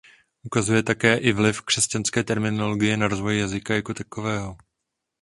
Ukazuje také i vliv křesťanské terminologie na rozvoj jazyka jako takového.